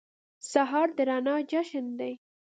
سهار د رڼا جشن دی.